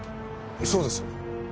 そうです。